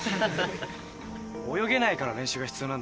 泳げないから練習が必要なんだろ。